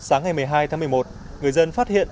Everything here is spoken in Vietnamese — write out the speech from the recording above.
sáng ngày một mươi hai tháng một mươi một người dân phát hiện